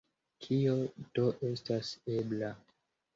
Kio do estas ebla?